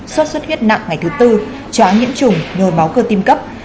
suất xuất huyết nặng ngày thứ tư chóa nhiễm chủng nhồi máu cơ tim cấp